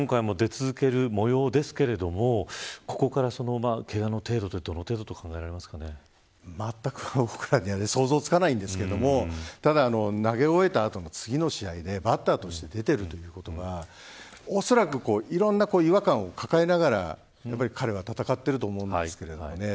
今回も出続ける模様ですがここから、けがの程度ってまったく僕らには想像つきませんがただ、投げ終えた後の次の試合でバッターとして出ているということはおそらくいろんな違和感を抱えながら彼は戦っていると思うんですけれどもね。